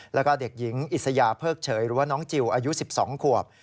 แล้วก็เด็กหญิงอิสยาเพิกเฉยหรือว่าน้องจิลอายุ๑๒ขวบ